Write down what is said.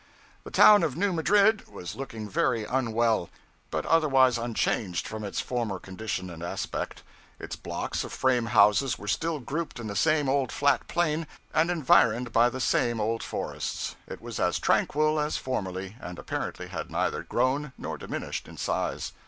The town of New Madrid was looking very unwell; but otherwise unchanged from its former condition and aspect. Its blocks of frame houses were still grouped in the same old flat plain, and environed by the same old forests. It was as tranquil as formerly, and apparently had neither grown nor diminished in size.